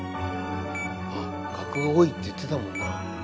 あっ「がくが多い」って言ってたもんな。